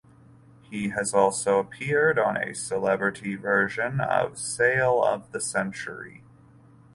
He has also appeared on a celebrity version of Sale of the Century.